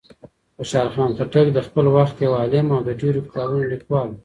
خوشحال خان خټک د خپل وخت یو عالم او د ډېرو کتابونو لیکوال و.